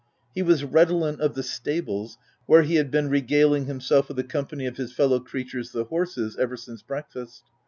He was redolent of the stables, where he had been regaling himself with the company of his fellow creatures, the horses, ever since breakfast.